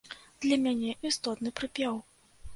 Для мяне істотны прыпеў.